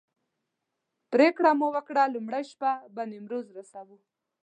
پرېکړه مو وکړه لومړۍ شپه به نیمروز رسوو.